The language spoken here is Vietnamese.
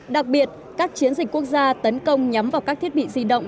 đặc biệt các chiến dịch quốc gia tấn công nhắm vào các thiết bị di động